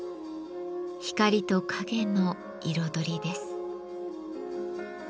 光と陰の彩りです。